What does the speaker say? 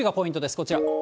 こちら。